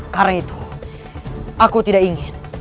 karena itu aku tidak ingin